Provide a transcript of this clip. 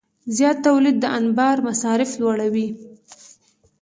زیات تولید د انبار مصارف لوړوي.